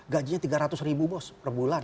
gajinya tiga ratus ribu bos per bulan